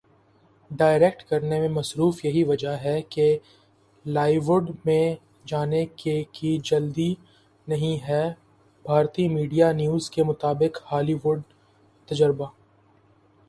direct کرنے میں مصروف یہی وجہ ہے کہ لالی ووڈ میں جانے کی جلدی نہیں ہے بھارتی میڈیا نیوز کے مطابق ہالی ووڈ تجربہ